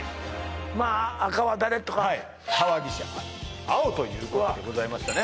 まあ赤は誰とかはい川岸青ということでございましたね